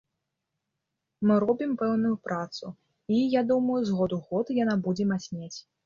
Мы робім пэўную працу, і, я думаю, з году ў год яна будзе мацнець.